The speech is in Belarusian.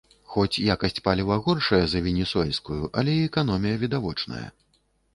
Хоць якасць паліва горшая за венесуэльскую, але і эканомія відавочная.